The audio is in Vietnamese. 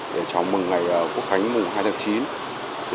để chào mừng ngày quốc khánh mùng hai tháng chín